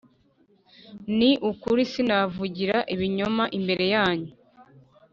ni ukuri sinavugira ibinyoma imbere yanyu